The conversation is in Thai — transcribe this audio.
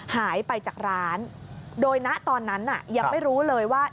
หายไปจากร้านโดยณตอนนั้นยังไม่รู้เลยว่า